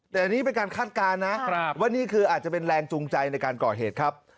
แต่อันนี้เป็นการคาดการณ์นะว่านี่คืออาจจะเป็นแรงจูงใจในการก่อเหตุครับ